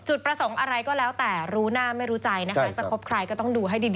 ประสงค์อะไรก็แล้วแต่รู้หน้าไม่รู้ใจนะคะจะคบใครก็ต้องดูให้ดี